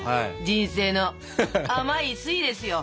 人生の甘い酸いですよ！